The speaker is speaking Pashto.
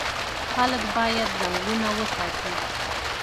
خلک باید ځنګلونه وساتي.